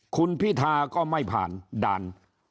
คุณพิธาก็ไม่ผ่านด่าน